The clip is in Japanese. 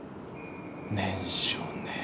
念書ねえ。